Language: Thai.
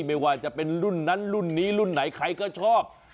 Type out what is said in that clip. ไม่ว่าจะเป็นรุ่นนั้นรุ่นนี้รุ่นไหนใครก็ชอบ